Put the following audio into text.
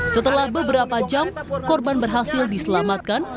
setelah beberapa jam korban berhasil diselamatkan